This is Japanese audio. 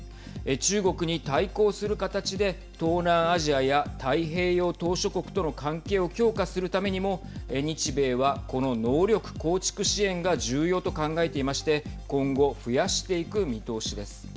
中国に対抗する形で東南アジアや太平洋島しょ国との関係を強化するためにも日米はこの能力構築支援が重要と考えていまして今後、増やしていく見通しです。